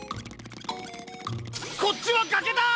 こっちはがけだ！